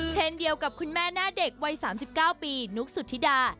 เช่นเดียวกับคุณแม่หน้าเด็กวัย๓๙ปีนุ๊กสุธิดา